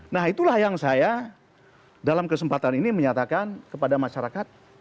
nah itulah yang saya dalam kesempatan ini menyatakan kepada masyarakat